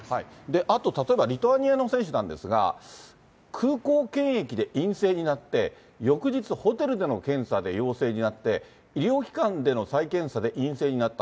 あと例えばリトアニアの選手なんですが、空港検疫で陰性になって、翌日、ホテルでの検査で陽性になって、医療機関での再検査で陰性になった。